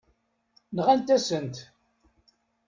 Nɣant-asent-t.